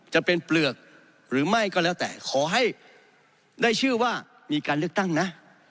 จะเป็นเปลือกหรือไม่ก็แล้วแต่ขอให้ได้ชื่อว่ามีการเลือกตั้งนะ